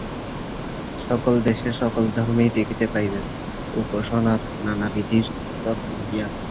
সকল দেশে সকল ধর্মেই দেখিতে পাইবেন, উপাসনার নানাবিধ স্তর রহিয়াছে।